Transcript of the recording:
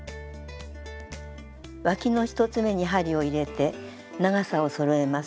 わきの１つめに針を入れて長さをそろえます。